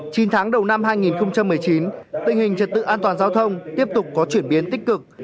chín tháng đầu năm hai nghìn một mươi chín tình hình trật tự an toàn giao thông tiếp tục có chuyển biến tích cực